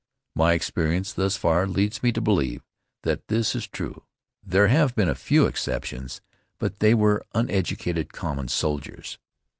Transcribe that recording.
My experience thus far leads me to believe that this is true. There have been a few exceptions, but they were uneducated common soldiers.